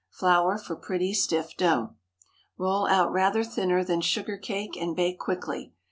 Flour for pretty stiff dough. Roll out rather thinner than sugar cakes, and bake quickly.